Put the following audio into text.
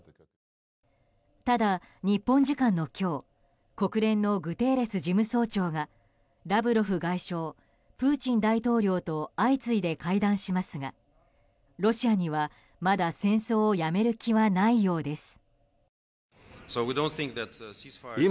ただ、日本時間の今日国連のグテーレス事務総長がラブロフ外相、プーチン大統領と相次いで会談しますがロシアには、まだ戦争をやめる気はないようです。